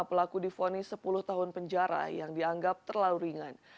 pelaku difonis sepuluh tahun penjara yang dianggap terlalu ringan